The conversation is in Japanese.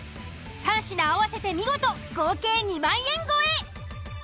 ３品合わせて見事合計２万円超え。